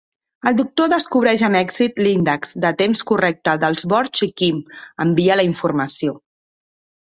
El doctor descobreix amb èxit l'índex de temps correcte dels Borg i Kim envia la informació.